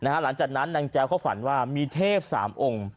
หลังจากนั้นนางแจ้วเขาฝันว่ามีเทพ๓องค์